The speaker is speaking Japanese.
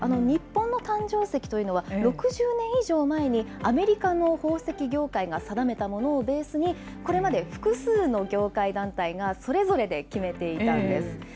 日本の誕生石というのは６０年以上前に、アメリカの宝石業界が定めたものをベースに、これまで複数の業界団体が、それぞれで決めていたんです。